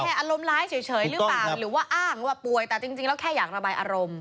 อารมณ์ร้ายเฉยหรือเปล่าหรือว่าอ้างว่าป่วยแต่จริงแล้วแค่อยากระบายอารมณ์